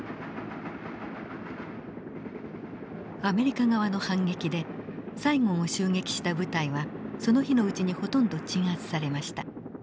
アメリカ側の反撃でサイゴンを襲撃した部隊はその日のうちにほとんど鎮圧されました。